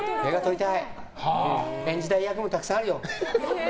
演じたい役もたくさんあるよ。